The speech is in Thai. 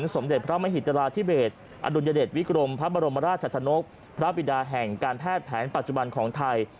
สมเด็จพระมหิตราธิเบสอดุลยเดชวิกรมพระบรมราชชนกพระบิดาแห่งการแพทย์แผนปัจจุบันของไทย